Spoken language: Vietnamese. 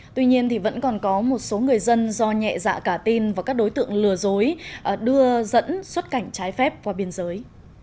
tuy nhiên vẫn còn có một số người dân do nhẹ dạ cả tin và các đối tượng lừa dối đưa dẫn xuất cảnh trái phép qua biên giới